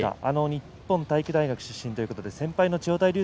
日本体育大学出身ということで先輩の千代大龍